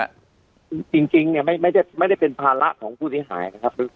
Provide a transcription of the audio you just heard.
จริงจริงเนี่ยไม่ไม่ได้ไม่ได้เป็นภาระของผู้เสียหายนะครับ